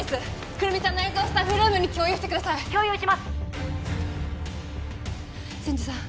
胡桃ちゃんの映像をスタッフルームに共有してください共有します千住さん